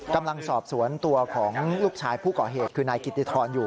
กำลังสอบสวนตัวของลูกชายผู้ก่อเหตุคือนายกิติธรอยู่